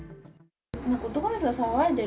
男の人が騒いでる。